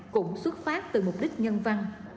cũng xuất phát từ mục đích nhân văn